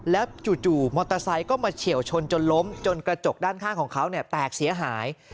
แล้วจู่มอเตอร์ไซค์ก็มาเฉียวชนจนล้มจนกระจกด้านข้างของเขาแตกเสียหาย